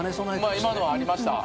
まあ今のはありました。